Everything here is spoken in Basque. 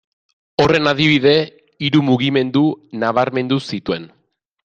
Horren adibide, hiru mugimendu nabarmendu zituen.